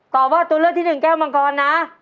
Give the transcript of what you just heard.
ตอบว่าตัวเลขที่๑แก้วมังกรนะ